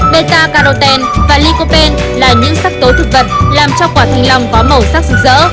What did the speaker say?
beta carotene và lycopene là những sắc tố thực vật làm cho quả thanh long có màu sắc rực rỡ